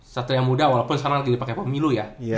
satria muda walaupun sekarang lagi dipake pemilu ya